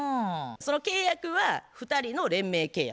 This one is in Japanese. その契約は２人の連名契約。